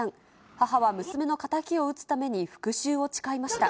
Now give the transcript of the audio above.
母は娘の敵を討つために、復しゅうを誓いました。